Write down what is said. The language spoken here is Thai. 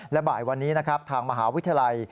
และบ่ายวันนี้นะครับทางมหาวิทยาลัย